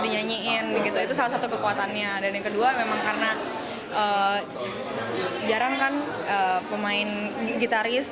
dinyanyiin gitu itu salah satu kekuatannya dan yang kedua memang karena jarang kan pemain gitaris